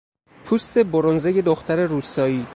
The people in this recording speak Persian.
پوست برنزهی دختر روستایی